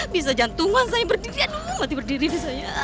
bisa jantungan saya berdiri aduh mati berdiri nih saya